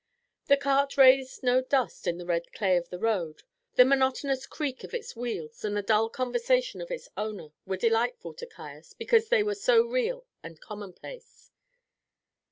The cart raised no dust in the red clay of the road; the monotonous creak of its wheels and the dull conversation of its owner were delightful to Caius because they were so real and commonplace.